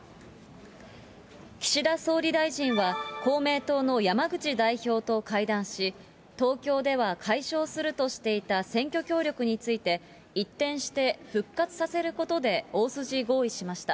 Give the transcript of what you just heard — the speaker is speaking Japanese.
岸田総理大臣は、公明党の山口代表と会談し、東京では解消するとしていた選挙協力について、一転して復活させることで大筋合意しました。